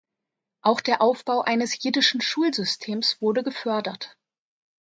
Auch der Aufbau eines jiddischen Schulsystems wurde gefördert.